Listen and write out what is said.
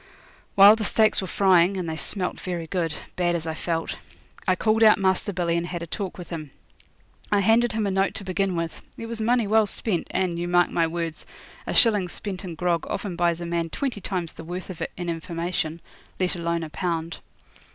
While the steaks were frying and they smelt very good, bad as I felt I called out Master Billy and had a talk with him. I handed him a note to begin with. It was money well spent, and, you mark my words, a shilling spent in grog often buys a man twenty times the worth of it in information, let alone a pound.